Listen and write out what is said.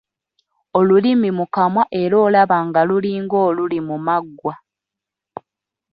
Olulimi mu kamwa era olaba nga lulinga oluli mu maggwa.